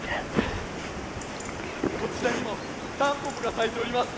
こちらにもたんぽぽがさいております！